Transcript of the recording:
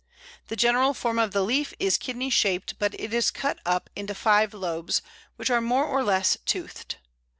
The general form of the leaf is kidney shaped, but it is cut up into five lobes, which are more or less toothed.